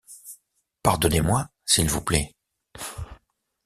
Pardonnez-moi s'il-vous-plait.